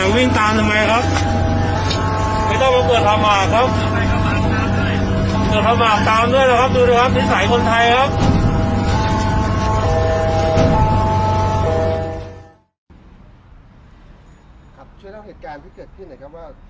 วิ่งตามนะครับรถพยาบาลครับเปิดไฟเปิดเสียงวิ่งตามทำไมครับ